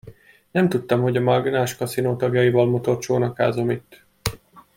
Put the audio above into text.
Nem tudtam, hogy a mágnáskaszinó tagjaival motorcsónakázom itt.